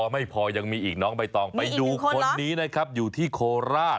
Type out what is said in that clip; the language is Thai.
ไม่พอยังมีอีกน้องใบตองไปดูคนนี้นะครับอยู่ที่โคราช